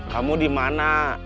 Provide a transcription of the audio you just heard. kamu di mana